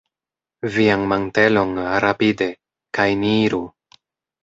Vian mantelon, rapide, kaj ni iru!